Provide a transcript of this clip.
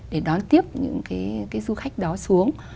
để đón tiếp những cái du khách đó xuống